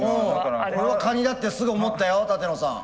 俺はカニだってすぐ思ったよ舘野さん。